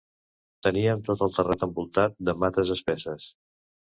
Teníem tot el terrat envoltat de mates espesses.